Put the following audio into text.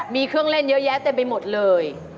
มีเครื่องเล่นเยอะแยะเต็มไปหมดเลย